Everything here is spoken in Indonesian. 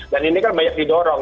dan ini kan banyak didorong